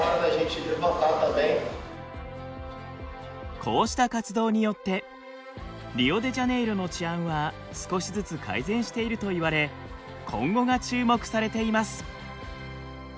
こうした活動によってリオデジャネイロの治安は少しずつ改善しているといわれ今後が注目されています。